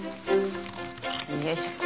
よいしょ。